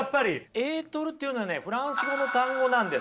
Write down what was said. エートルというのはねフランス語の単語なんです。